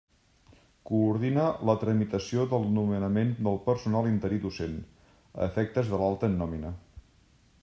Coordina la tramitació del nomenament del personal interí docent, a efectes de l'alta en nòmina.